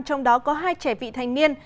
trong đó có hai trẻ vị thanh niên